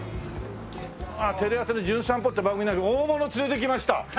テレ朝の『じゅん散歩』っていう番組なんですけど大物を連れてきました！